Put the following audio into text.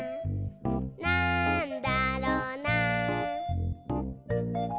「なんだろな？」